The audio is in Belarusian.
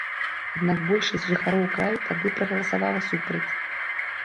Аднак большасць жыхароў краю тады прагаласавала супраць.